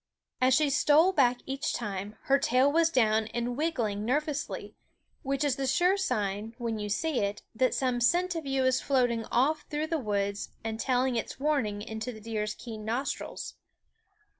As she stole back each time, her tail was down and wiggling nervously which is the sure sign, when you see it, that some scent of you is floating off through the woods and telling its warning into the deer's keen nostrils.